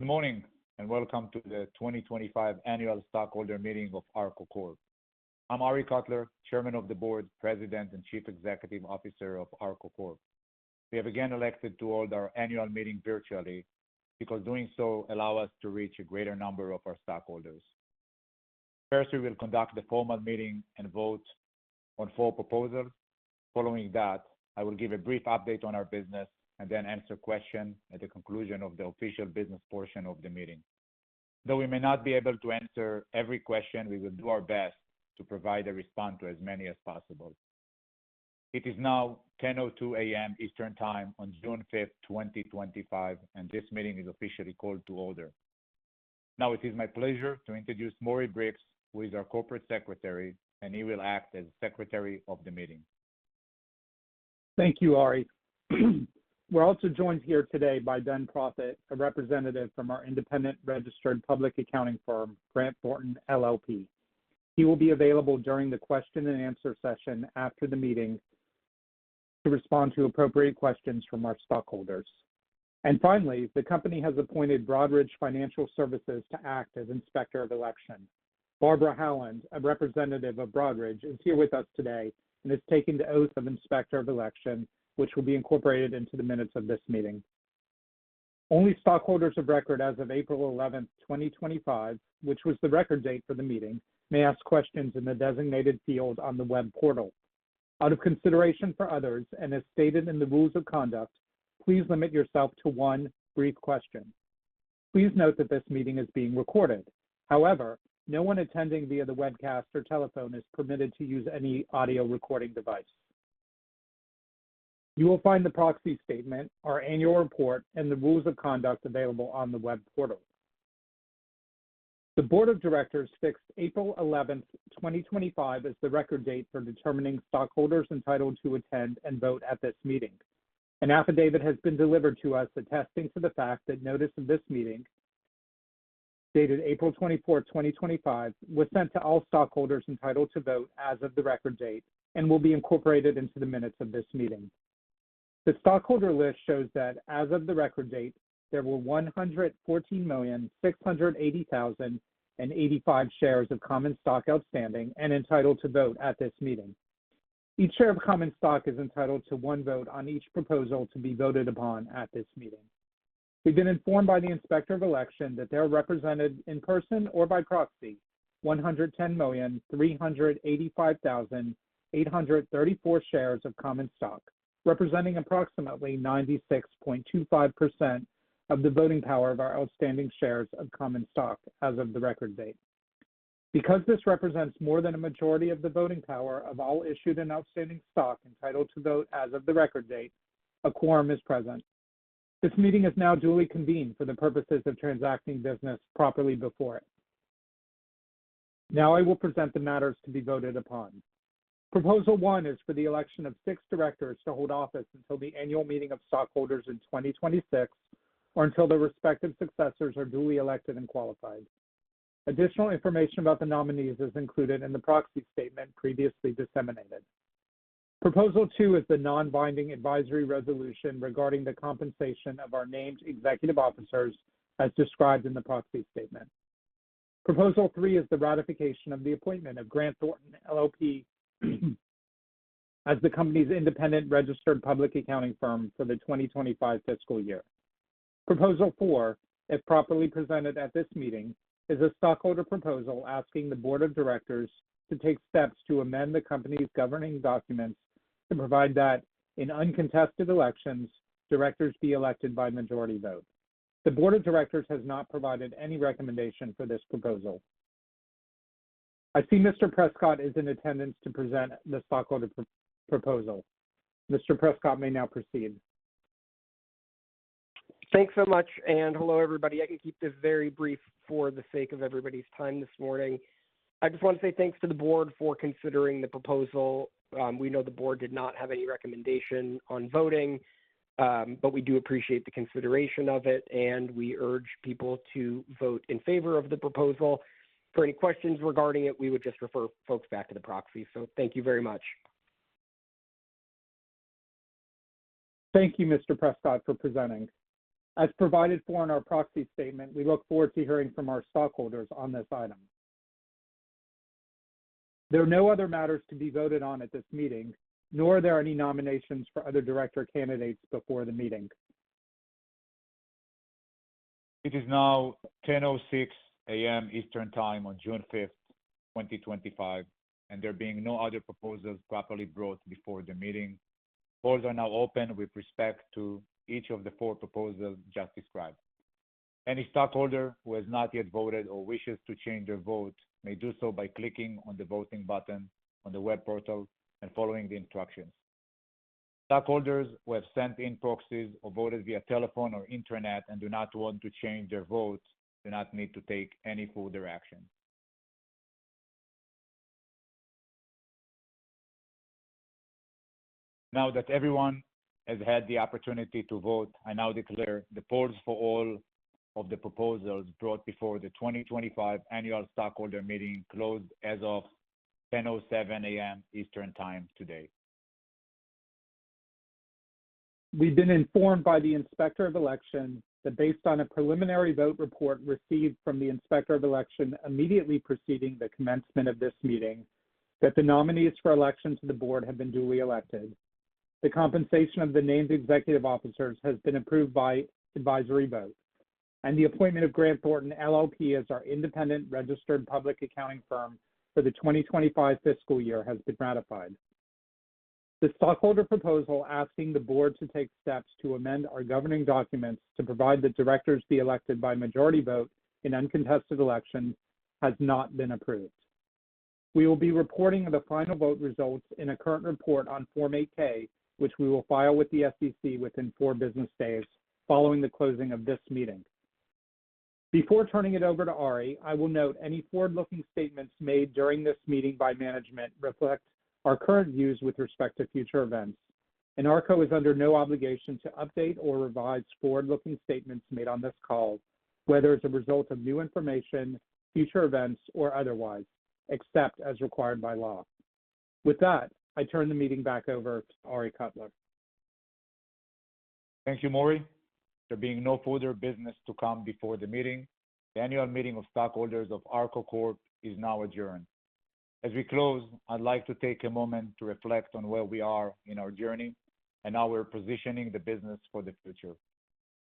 Good morning and welcome to the 2025 Annual Stockholder Meeting of Arko Corp. I'm Arie Kotler, Chairman of the Board, President, and Chief Executive Officer of Arko Corp. We have again elected to hold our annual meeting virtually because doing so allows us to reach a greater number of our stockholders. First, we will conduct the formal meeting and vote on four proposals. Following that, I will give a brief update on our business and then answer questions at the conclusion of the official business portion of the meeting. Though we may not be able to answer every question, we will do our best to provide a response to as many as possible. It is now 10:02 A.M. Eastern Time on June 5th, 2025, and this meeting is officially called to order. Now, it is my pleasure to introduce Maury Bricks, who is our Corporate Secretary, and he will act as Secretary of the Meeting. Thank you, Arie. We're also joined here today by Ben Proffitt, a representative from our independent registered public accounting firm, Grant Thornton LLP. He will be available during the question-and-answer session after the meeting to respond to appropriate questions from our stockholders. And finally, the company has appointed Broadridge Financial Services to act as Inspector of Election. Barbara Holland, a representative of Broadridge, is here with us today and is taking the oath of Inspector of Election, which will be incorporated into the minutes of this meeting. Only stockholders of record as of April 11th, 2025, which was the record date for the meeting, may ask questions in the designated field on the web portal. Out of consideration for others and as stated in the rules of conduct, please limit yourself to one brief question. Please note that this meeting is being recorded. However, no one attending via the webcast or telephone is permitted to use any audio recording device. You will find the proxy statement, our annual report, and the rules of conduct available on the web portal. The Board of Directors fixed April 11th, 2025, as the record date for determining stockholders entitled to attend and vote at this meeting. An affidavit has been delivered to us attesting to the fact that notice of this meeting dated April 24th, 2025, was sent to all stockholders entitled to vote as of the record date and will be incorporated into the minutes of this meeting. The stockholder list shows that as of the record date, there were 114,680,085 shares of common stock outstanding and entitled to vote at this meeting. Each share of common stock is entitled to one vote on each proposal to be voted upon at this meeting. We've been informed by the Inspector of Election that there are represented in person or by proxy 110,385,834 shares of common stock, representing approximately 96.25% of the voting power of our outstanding shares of common stock as of the record date. Because this represents more than a majority of the voting power of all issued and outstanding stock entitled to vote as of the record date, a quorum is present. This meeting is now duly convened for the purposes of transacting business properly before it. Now, I will present the matters to be voted upon. Proposal one is for the election of six directors to hold office until the annual meeting of stockholders in 2026 or until the respective successors are duly elected and qualified. Additional information about the nominees is included in the proxy statement previously disseminated. Proposal two is the non-binding advisory resolution regarding the compensation of our named executive officers as described in the proxy statement. Proposal three is the ratification of the appointment of Grant Thornton LLP as the company's independent registered public accounting firm for the 2025 fiscal year. Proposal four, if properly presented at this meeting, is a stockholder proposal asking the Board of Directors to take steps to amend the company's governing documents to provide that in uncontested elections, directors be elected by majority vote. The Board of Directors has not provided any recommendation for this proposal. I see Mr. Prescott is in attendance to present the stockholder proposal. Mr. Prescott may now proceed. Thanks so much and hello, everybody. I can keep this very brief for the sake of everybody's time this morning. I just want to say thanks to the board for considering the proposal. We know the board did not have any recommendation on voting, but we do appreciate the consideration of it, and we urge people to vote in favor of the proposal. For any questions regarding it, we would just refer folks back to the proxy, so thank you very much. Thank you, Mr. Prescott, for presenting. As provided for in our proxy statement, we look forward to hearing from our stockholders on this item. There are no other matters to be voted on at this meeting, nor are there any nominations for other director candidates before the meeting. It is now 10:06 A.M. Eastern Time on June 5th, 2025, and there being no other proposals properly brought before the meeting, polls are now open with respect to each of the four proposals just described. Any stockholder who has not yet voted or wishes to change their vote may do so by clicking on the voting button on the web portal and following the instructions. Stockholders who have sent in proxies or voted via telephone or internet and do not want to change their vote do not need to take any further action. Now that everyone has had the opportunity to vote, I now declare the polls for all of the proposals brought before the 2025 Annual Stockholder Meeting closed as of 10:07 A.M. Eastern Time today. We've been informed by the Inspector of Election that based on a preliminary vote report received from the Inspector of Election immediately preceding the commencement of this meeting, that the nominees for election to the board have been duly elected. The compensation of the named executive officers has been approved by advisory vote, and the appointment of Grant Thornton LLP as our independent registered public accounting firm for the 2025 fiscal year has been ratified. The stockholder proposal asking the board to take steps to amend our governing documents to provide that directors be elected by majority vote in uncontested election has not been approved. We will be reporting the final vote results in a current report on Form 8-K, which we will file with the SEC within four business days following the closing of this meeting. Before turning it over to Arie, I will note any forward-looking statements made during this meeting by management reflect our current views with respect to future events, and Arko is under no obligation to update or revise forward-looking statements made on this call, whether as a result of new information, future events, or otherwise, except as required by law. With that, I turn the meeting back over to Arie Kotler. Thank you, Maury. There being no further business to come before the meeting, the annual meeting of stockholders of Arko Corp is now adjourned. As we close, I'd like to take a moment to reflect on where we are in our journey and how we're positioning the business for the future.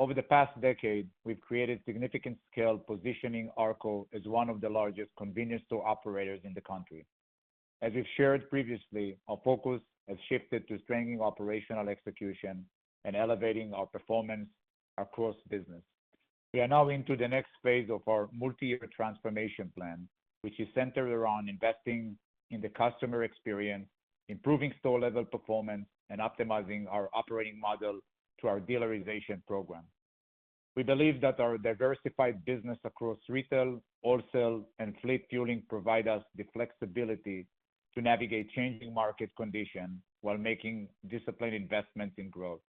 Over the past decade, we've created significant scale positioning Arko as one of the largest convenience store operators in the country. As we've shared previously, our focus has shifted to strengthening operational execution and elevating our performance across business. We are now into the next phase of our multi-year transformation plan, which is centered around investing in the customer experience, improving store-level performance, and optimizing our operating model to our dealerization program. We believe that our diversified business across retail, wholesale, and fleet fueling provides us the flexibility to navigate changing market conditions while making disciplined investments in growth.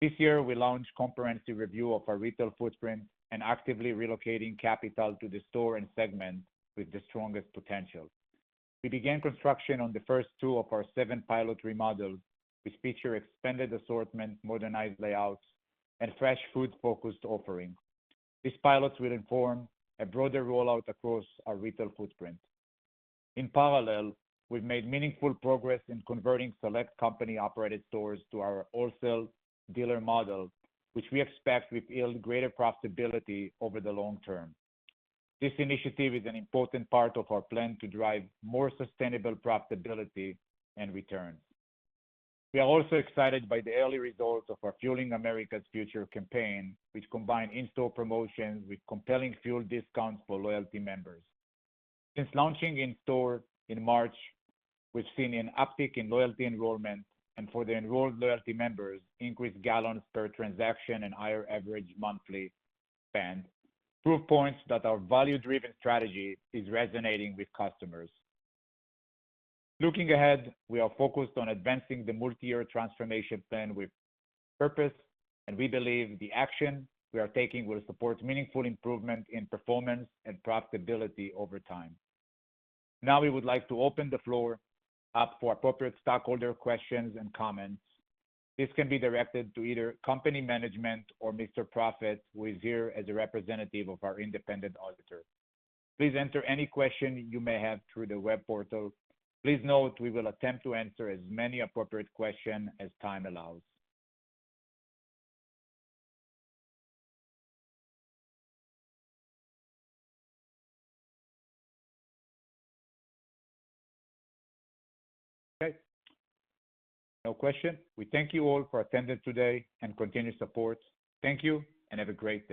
This year, we launched a comprehensive review of our retail footprint and actively relocating capital to the store and segment with the strongest potential. We began construction on the first two of our seven pilot remodels, which feature expanded assortment, modernized layouts, and fresh food-focused offering. These pilots will inform a broader rollout across our retail footprint. In parallel, we've made meaningful progress in converting select company-operated stores to our wholesale dealer model, which we expect will yield greater profitability over the long term. This initiative is an important part of our plan to drive more sustainable profitability and returns. We are also excited by the early results of our Fueling America's Future campaign, which combines in-store promotions with compelling fuel discounts for loyalty members. Since launching in-store in March, we've seen an uptick in loyalty enrollment and, for the enrolled loyalty members, increased gallons per transaction and higher average monthly spend, proof points that our value-driven strategy is resonating with customers. Looking ahead, we are focused on advancing the multi-year transformation plan with purpose, and we believe the action we are taking will support meaningful improvement in performance and profitability over time. Now, we would like to open the floor up for appropriate stockholder questions and comments. This can be directed to either company management or Mr. Proffitt, who is here as a representative of our independent auditor. Please enter any question you may have through the web portal. Please note we will attempt to answer as many appropriate questions as time allows. Okay. No question. We thank you all for attending today and continued support. Thank you and have a great day.